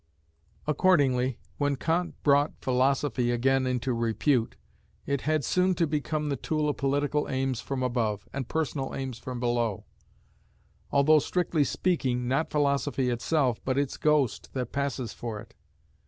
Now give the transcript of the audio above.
Accordingly, when Kant brought philosophy again into repute, it had soon to become the tool of political aims from above, and personal aims from below; although, strictly speaking, not philosophy itself, but its ghost, that passes for it.